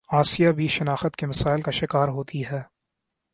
آسیہ بھی شناخت کے مسائل کا شکار ہوتی ہے